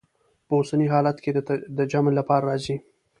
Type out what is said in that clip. په اوسني حالت کې د جمع لپاره راځي.